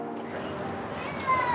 terima kasih ya pak